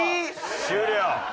終了。